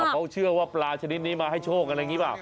เขาเชื่อว่าปลาชนิดนี้มาให้โชคกันอย่างนี้บ้าง